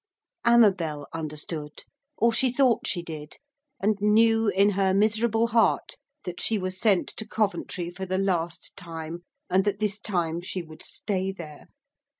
Amabel understood, or she thought she did, and knew in her miserable heart that she was sent to Coventry for the last time, and that this time she would stay there.